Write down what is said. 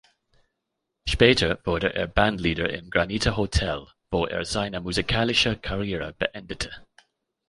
Später wurde er Bandleader im "Granite Hotel", wo er seine musikalische Karriere beendete.